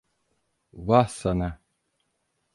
Vah sana…